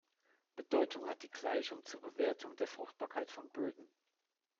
Bedeutung hat die Gleichung zur Bewertung der Fruchtbarkeit von Böden.